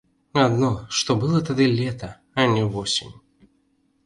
Адно што было тады лета, а не восень.